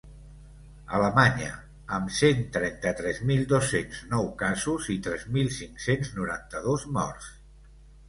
Alemanya, amb cent trenta-tres mil dos-cents nou casos i tres mil cinc-cents noranta-dos morts.